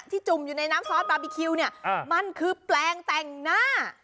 จุ่มอยู่ในน้ำซอสบาร์บีคิวเนี่ยมันคือแปลงแต่งหน้า